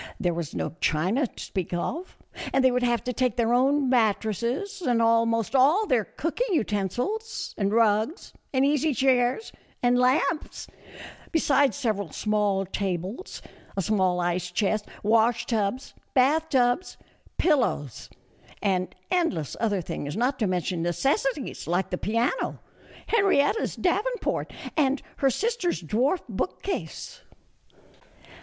There was no china to speak of, and they would have to take their own mattresses and almost all their cooking utensils, and rugs, and easy chairs, and lamps ; besides several small tables, a small ice chest, wash tubs, bath tubs, pillows, and endless other things, not to mention necessities like the piano, Henrietta's davenport and her sister's dwarf bookcase.